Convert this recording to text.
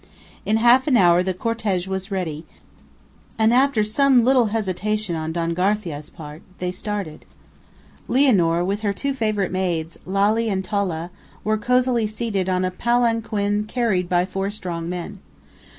In half an hour the cortege was ready, and, after some little hesitation on Don Garcia's part, they started. Lianor, with her two favorite maids, Lalli and Tolla, were cosily seated in a palanquin carried by four strong men.